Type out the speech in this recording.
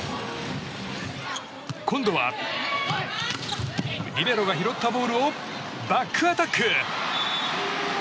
今度は、リベロが拾ったボールをバックアタック！